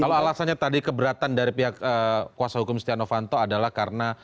kalau alasannya tadi keberatan dari pihak kuasa hukum setia novanto adalah karena